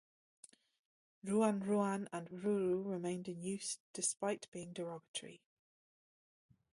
"Ruanruan" and "Ruru" remained in usage despite being derogatory.